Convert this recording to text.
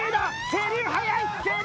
成龍速い！